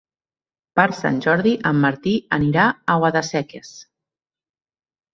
Per Sant Jordi en Martí anirà a Guadasséquies.